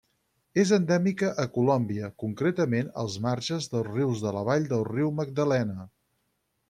És endèmica a Colòmbia, concretament als marges dels rius de la vall del Riu Magdalena.